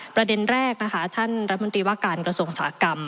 ประเด็นแรกนะคะท่านรัฐมนตรีว่าการกระทรวงอุตสาหกรรม